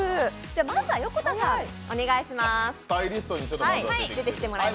まずは横田さん、お願いします。